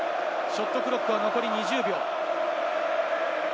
ショットクロックは残り２０秒。